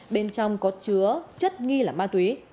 bên trong có chứa chất nghi là ma túy